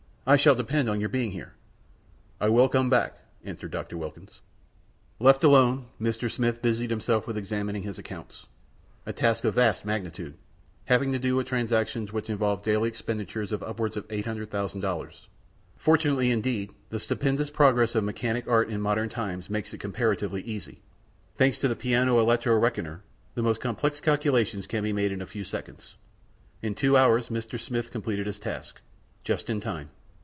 I shall depend on your being here." "I will come back," answered Dr. Wilkins. Left alone, Mr. Smith busied himself with examining his accounts a task of vast magnitude, having to do with transactions which involve a daily expenditure of upward of $800,000. Fortunately, indeed, the stupendous progress of mechanic art in modern times makes it comparatively easy. Thanks to the Piano Electro Reckoner, the most complex calculations can be made in a few seconds. In two hours Mr. Smith completed his task. Just in time.